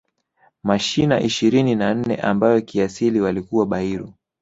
Mashina ishirini na nne ambayo kiasili walikuwa Bairu